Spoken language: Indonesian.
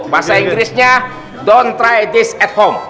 bahasa inggrisnya don't try this at home